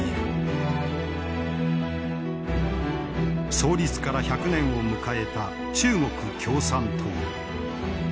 創立から１００年を迎えた中国共産党。